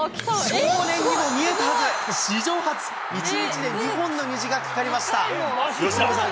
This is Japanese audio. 少年にも見えたはず、史上初、１日で２本の虹がかかりました。